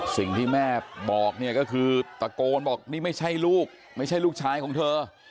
สิ่งที่แม่บอกเนี่ยก็คือตะโกนบอกนี่ไม่ใช่ลูกไม่ใช่ลูกชายของเธอ